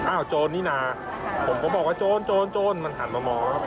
โจรนี่นะผมก็บอกว่าโจรโจรโจรมันหันมามองครับ